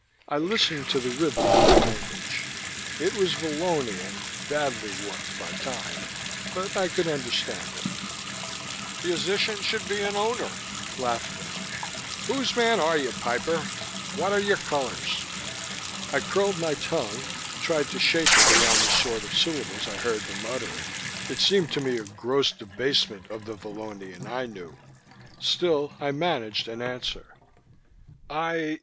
I listened to the rhythm of the language: it was Vallonian, badly warped by time, but I could understand it: " musician would be an Owner!" one of them said. Laughter. "Whose man are you, piper? What are your colors?" I curled my tongue, tried to shape it around the sort of syllables I heard them uttering; it seemed to me a gross debasement of the Vallonian I knew. Still I managed an answer: "I